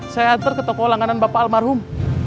saya antar ke toko langanan bapak almarhum